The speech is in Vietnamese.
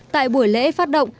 tại buổi lễ phát động